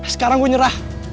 sekarang gue nyerah